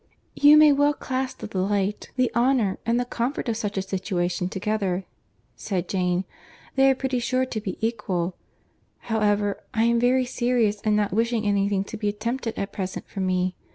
"You may well class the delight, the honour, and the comfort of such a situation together," said Jane, "they are pretty sure to be equal; however, I am very serious in not wishing any thing to be attempted at present for me.